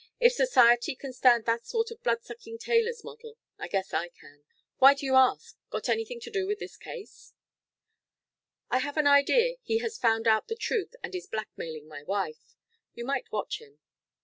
If Society can stand that sort of bloodsucking tailor's model, I guess I can. Why do you ask? Got anything to do with this case?" "I have an idea he has found out the truth and is blackmailing my wife. You might watch him."